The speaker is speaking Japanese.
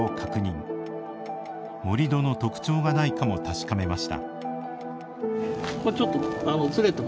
盛土の特徴がないかも確かめました。